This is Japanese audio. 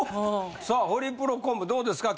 さあホリプロコムどうですか？